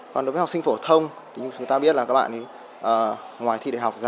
còn đối với học sinh phổ thông chúng ta biết là các bạn ngoài thi đại học ra